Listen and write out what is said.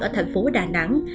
ở thành phố đà nẵng